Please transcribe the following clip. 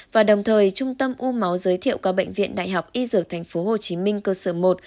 và đồng thời trung tâm u máu giới thiệu các bệnh viện đại học y dược tp hcm cơ sở một